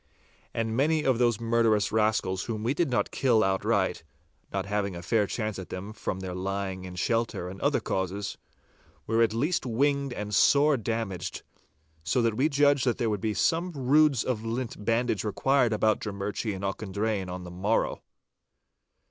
And many of those murderous rascals whom we did not kill outright (not having a fair chance at them from their lying in shelter and other causes), were at least winged and sore damaged, so that we judged that there would be some roods of lint bandage required about Drummurchie and Auchendrayne on the morrow.